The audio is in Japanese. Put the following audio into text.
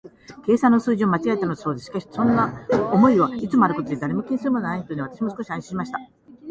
計算の数字を間違えたのだそうです。しかし、そんな間違いはいつもあることで、誰も気にするものはないというので、私も少し安心しました。